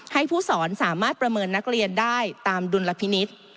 ให้ผู้สอนสามารถประเมินนักเรียนได้ตามดุลพินิษฐ์